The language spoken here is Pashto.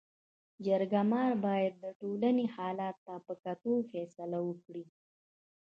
جرګه مار باید د ټولني حالت ته په کتو فيصله وکړي.